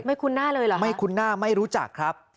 ไม่คุณหน้าเลยหรือครับไม่คุณหน้าไม่รู้จักครับ